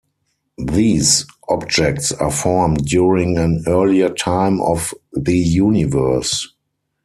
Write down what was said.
These objects are formed during an earlier time of the universe.